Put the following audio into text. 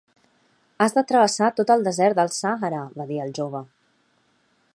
"Has de travessar tot el desert del Sàhara", va dir el jove.